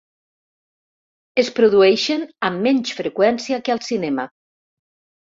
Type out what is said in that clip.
Es produeixen amb menys freqüència que al cinema.